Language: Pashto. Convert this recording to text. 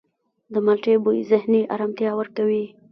د مالټې بوی ذهني آرامتیا ورکوي.